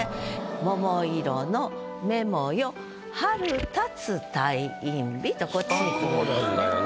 「桃色のメモよ春立つ退院日」とこっちにくるんですね。